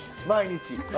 毎日。